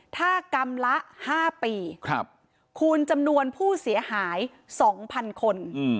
ถ้ากรรมละห้าปีครับคูณจำนวนผู้เสียหายสองพันคน